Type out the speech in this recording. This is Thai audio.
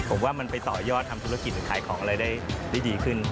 ผมว่ามันไปต่อยอดทำธุรกิจหรือขายของอะไรได้ดีขึ้น